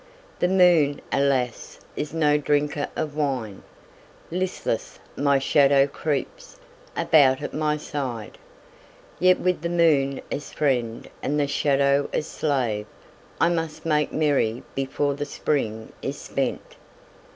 The moon, alas, is no drinker of wine; Listless, my shadow creeps about at my side. Yet with the moon as friend and the shadow as slave I must make merry before the Spring is spent.